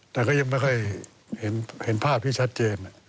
แต่ก็ยังไม่ค่อยเห็นภาพที่ชัดเจน